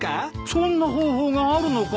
そんな方法があるのかい？